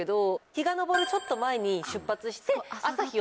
日が昇るちょっと前に出発して。